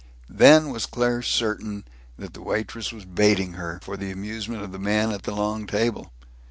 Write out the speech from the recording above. Then was Claire certain that the waitress was baiting her, for the amusement of the men at the long table.